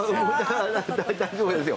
大丈夫ですよ！